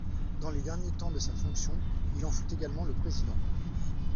Dans les derniers temps de sa fonction, il en fut également le président.